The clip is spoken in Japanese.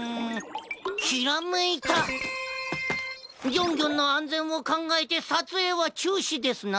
ギョンギョンのあんぜんをかんがえてさつえいはちゅうしですな！